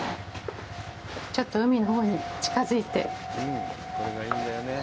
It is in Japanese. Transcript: ちょっと海のほうに近づいて。